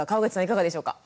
いかがでしょうか？